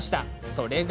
それが。